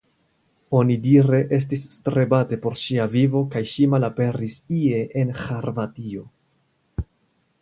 Onidire estis strebate por ŝia vivo kaj ŝi malaperis ie en Ĥarvatio.